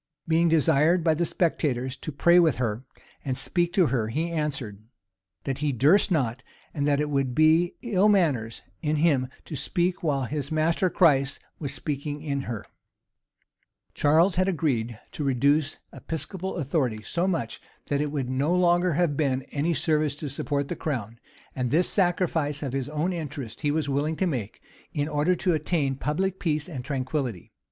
Being desired by the spectators to pray with her, and speak to her, he answered, "that he durst not; and that it would be ill manners in him to speak while his master, Christ, was speaking in her."[*] * King's Declaration at large, p. 227. Burnet's Memoirs of Hamilton. Charles had agreed to reduce episcopal authority so much, that it would no longer have been of any service to support the crown; and this sacrifice of his own interests he was willing to make, in order to attain public peace and tranquillity.